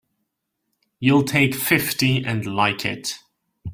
You'll take fifty and like it!